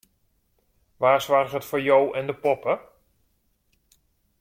Wa soarget foar jo en de poppe?